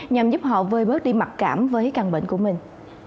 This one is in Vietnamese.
nhằm giúp họ vơi bớt đi mặc cảm với căn bệnh của mình